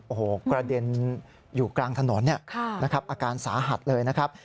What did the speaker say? โอ้โหกระเด็นอยู่กลางถนนนะครับอาการสาหัสเลยนะครับ